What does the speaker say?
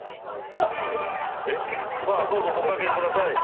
さあどうぞお掛けください。